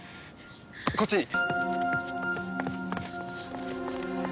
こっちに。